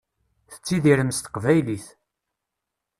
Tettidirem s teqbaylit.